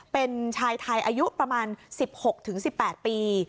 เป็นชายไทยอายุประมาณ๑๖๑๘ปี